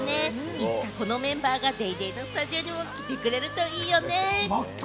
いつかこのメンバーが『ＤａｙＤａｙ．』のスタジオにも来てくれるといいよね。